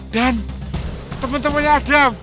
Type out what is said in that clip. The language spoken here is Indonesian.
dan temen temennya adam